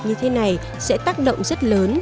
như thế này sẽ tác động rất lớn